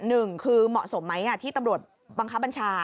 หนึ่งคือเหมาะสมไหมที่ตำรวจบังคับบัญชา